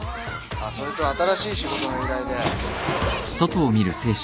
あっそれと新しい仕事の依頼で。